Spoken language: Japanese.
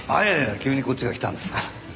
急にこっちが来たんですから。